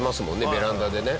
ベランダでね。